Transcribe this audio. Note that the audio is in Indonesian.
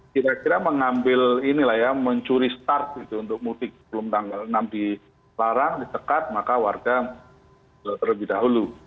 kira kira mengambil ini lah ya mencuri start gitu untuk mudik sebelum tanggal enam dilarang disekat maka warga terlebih dahulu